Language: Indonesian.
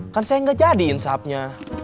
kan saya nggak jadi insapnya